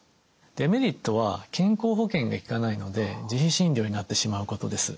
デメリットは健康保険がきかないので自費診療になってしまうことです。